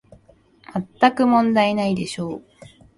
まったく問題ないでしょう